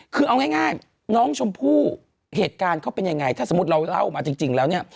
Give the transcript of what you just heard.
คือเอาง่ายน้องชมพู่เหตุการณ์เขาเป็นยังไงถ้าสมมุติเราเล่ามาจริงแล้วเนี่ย